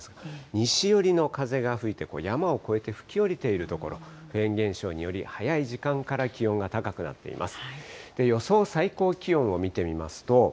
西寄りの風が吹いて、山を越えて吹きおりている所、フェーン現象により、早い時間から気温が高くなっています。